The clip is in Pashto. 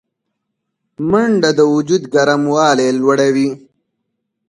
منډه د وجود ګرموالی لوړوي